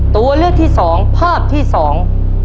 ตัวเลือกที่สองภาพที่สอง